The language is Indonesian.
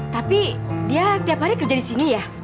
tapi dia tiap hari kerja di sini ya